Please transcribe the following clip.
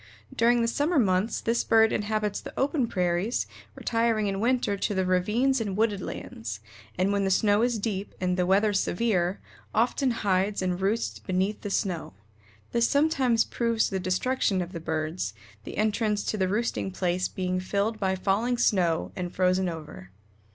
During the summer months this bird inhabits the open prairies, retiring in winter to the ravines and wooded lands, and when the snow is deep and the weather severe often hides and roosts beneath the snow. This sometimes proves the destruction of the birds, the entrance to the roosting place being filled by falling snow and frozen over.